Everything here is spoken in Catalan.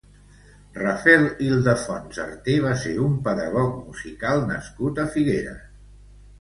Rafael Ildefonso Arté va ser un pedagog musical nascut a Figueres.